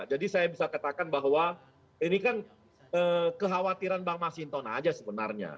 jadi saya bisa katakan bahwa ini kan kekhawatiran bang mas hinton aja sebenarnya